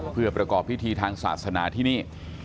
เพื่อประกอบพิธีทางศาสนาที่นี่